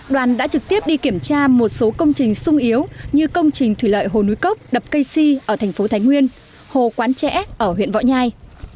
đoàn đã trực tiếp đi kiểm tra một số công trình sung yếu như công trình thủy lợi hồ núi cốc đập cây si ở thành phố thái nguyên hồ quán trễ ở huyện võ nhai